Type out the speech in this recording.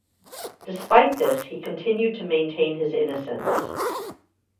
Despite this, he continued to maintain his innocence.